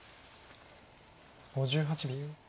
５８秒。